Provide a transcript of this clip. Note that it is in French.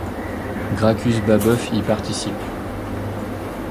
Gracchus Babeuf y participe.